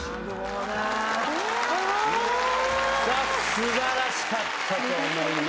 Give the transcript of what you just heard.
素晴らしかったと思います。